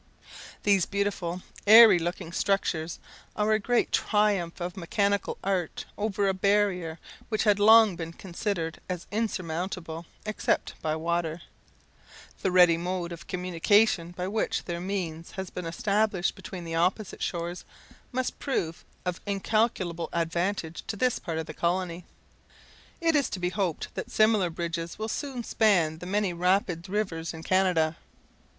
These beautiful, airy looking structures, are a great triumph of mechanical art over a barrier which had long been considered as insurmountable, except by water. The ready mode of communication which by their means has been established between the opposite shores, must prove of incalculable advantage to this part of the colony. It is to be hoped that similar bridges will soon span the many rapid rivers in Canada.